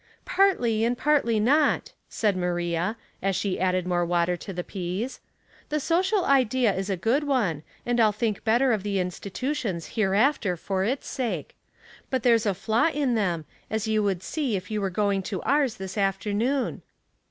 '* Partly and partly not," said Maria, as she added more water to the peas. " The sociiJ idea is a good one, and I'll think better of the institutions hereafter for its sake; tut there's a flaw in them, as you would see if you were going to ours this afternoon."